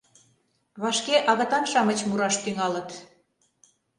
— Вашке агытан-шамыч мураш тӱҥалыт...